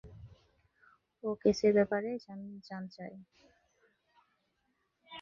ও কেসের ব্যাপারে জান চায়।